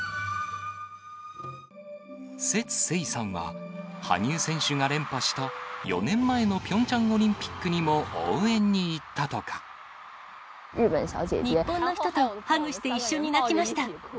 薛晴さんは、羽生選手が連覇した４年前のピョンチャンオリンピックにも応援に日本の人とハグして一緒に泣きました。